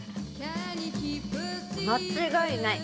間違いない。